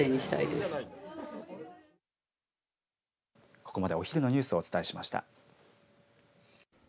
ここまでお昼のニュースをお伝えしました。